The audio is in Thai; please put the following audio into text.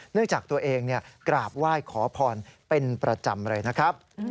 จากตัวเองกราบไหว้ขอพรเป็นประจำเลยนะครับ